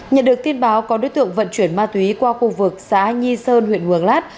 nhận được tin báo có đối tượng vận chuyển ma túy qua khu vực xã nhi sơn huyện hường lát